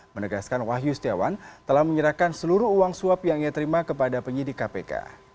menegaskan wahyu setiawan telah menyerahkan seluruh uang suap yang ia terima kepada penyidik kpk